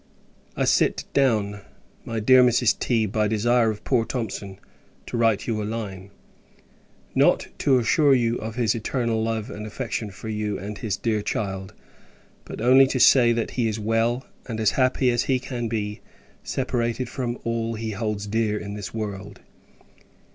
I sit down, my Dear Mrs. T. by desire of poor Thomson, to write you a line: not, to assure you of his eternal love and affection for you and his dear child; but only to say, that he is well, and as happy as he can be, separated from all which he holds dear in this world.